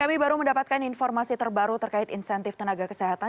kami baru mendapatkan informasi terbaru terkait insentif tenaga kesehatan